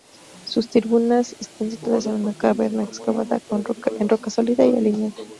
Sus turbinas están situadas en una caverna excavada en roca sólida y alineada.